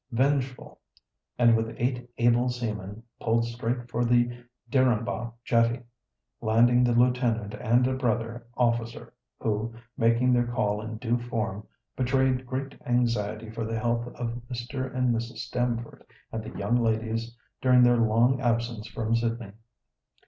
Vengeful, and with eight able seamen pulled straight for the Dirrāhbah jetty, landing the lieutenant and a brother officer, who, making their call in due form, betrayed great anxiety for the health of Mr. and Mrs. Stamford and the young ladies during their long absence from Sydney.